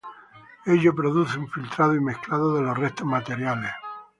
Ello produce un filtrado y mezclado de los restos materiales.